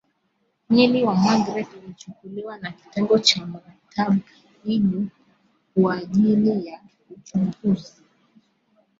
Mwili wa Magreth ulichukuliwa na kitengo cha matab ibu kwaajili ya uchunguzi